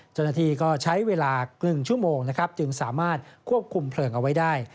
เจ้าหน้าที่ก็ใช้เวลาครึ่งชั่วโมงนะครับจึงสามารถควบคุมเพลิงเอาไว้ได้